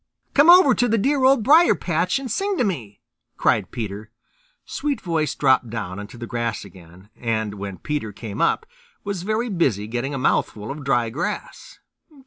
"Come over to the dear Old Briar patch and sing to me," cried Peter. Sweetvoice dropped down into the grass again, and when Peter came up, was very busy getting a mouthful of dry grass.